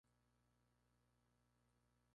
Captain Nintendo fue dibujado totalmente a mano.